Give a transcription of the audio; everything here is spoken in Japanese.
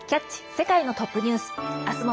世界のトップニュース」